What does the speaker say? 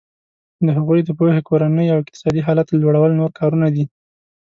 د هغوی د پوهې کورني او اقتصادي حالت لوړول نور کارونه دي.